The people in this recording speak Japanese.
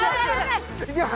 いけます！